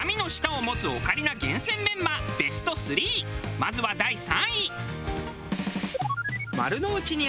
まずは第３位。